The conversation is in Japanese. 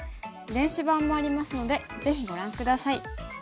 電子版もありますのでぜひご覧下さい。